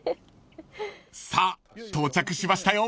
［さあ到着しましたよ］